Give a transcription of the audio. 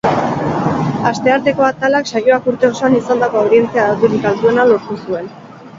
Astearteko atalak saioak urte osoan izandako audientzia daturik altuena lortu zuen.